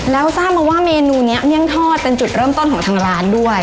แล้วทราบมาว่าเมนูนี้เมี่ยงทอดเป็นจุดเริ่มต้นของทางร้านด้วย